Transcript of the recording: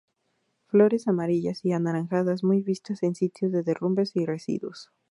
Flores amarillas y anaranjadas, muy vistas en sitios de derrumbes y residuos.